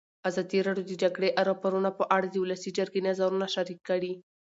ازادي راډیو د د جګړې راپورونه په اړه د ولسي جرګې نظرونه شریک کړي.